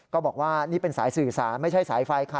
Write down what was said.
บอกว่านี่เป็นสายสื่อสารไม่ใช่สายไฟค่ะ